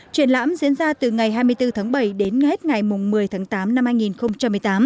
triển lãm diễn ra từ ngày hai mươi bốn tháng bảy đến hết ngày một mươi tháng tám năm hai nghìn một mươi tám